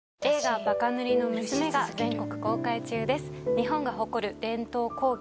日本が誇る伝統工芸